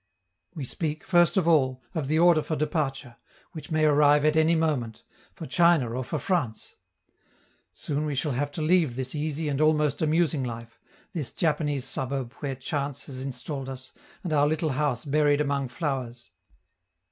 We speak, first of all, of the order for departure, which may arrive at any moment, for China or for France. Soon we shall have to leave this easy and almost amusing life, this Japanese suburb where chance has installed us, and our little house buried among flowers.